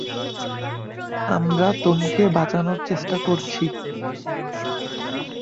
আমরা তোমকে বাঁচানোর চেষ্টা করছি।